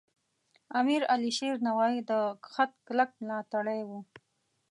امیر علیشیر نوایی د خط کلک ملاتړی و.